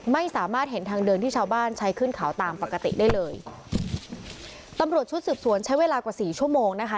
ไม่สามารถเห็นทางเดินที่ชาวบ้านใช้ขึ้นเขาตามปกติได้เลยตำรวจชุดสืบสวนใช้เวลากว่าสี่ชั่วโมงนะคะ